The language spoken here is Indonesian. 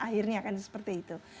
akhirnya kan seperti itu